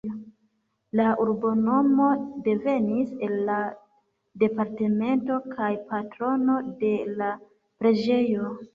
La urbonomo devenis el la departemento kaj patrono de la preĝejo.